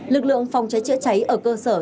lực lượng phòng cháy chữa cháy ở cơ sở